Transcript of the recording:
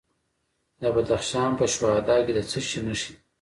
د بدخشان په شهدا کې د څه شي نښې دي؟